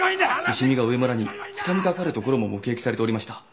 西見が上村につかみかかるところも目撃されておりました。